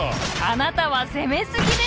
あなたは攻めすぎです！